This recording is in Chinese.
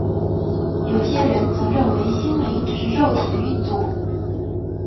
有些人则认为心灵只是肉体的运作。